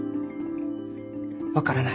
分からない。